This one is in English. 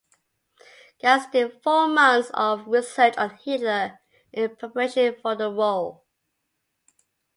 Ganz did four months of research on Hitler in preparation for the role.